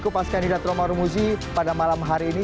kupaskan di datang maru muji pada malam hari ini